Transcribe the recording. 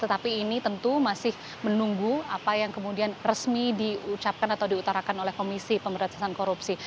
tetapi ini tentu masih menunggu apa yang kemudian resmi diucapkan atau diutarakan oleh komisi pemberantasan korupsi